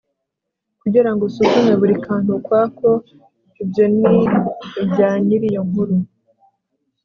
kugira ngo usuzume buri kantu ukwako, ibyo ni ibya nyir'iyo nkuru